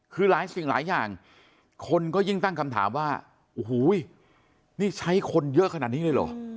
คือหลายสิ่งหลายอย่างคนก็ยิ่งตั้งคำถามว่าโอ้โหนี่ใช้คนเยอะขนาดนี้เลยเหรอ